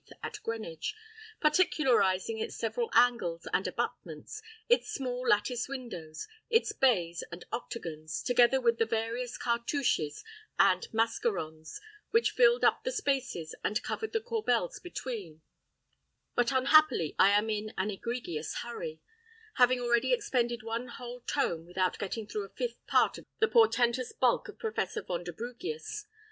at Greenwich, particularising its several angles and abutments, its small lattice windows, its bays and octagons, together with the various cartouches and mascarons which filled up the spaces and covered the corbels between; but unhappily I am in an egregious hurry, having already expended one whole tome without getting through a fifth part of the portentous bulk of Professor Vonderbrugius.